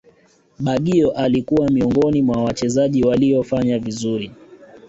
baggio alikuwa miongoni mwa Wachezaji waliofanya vizuri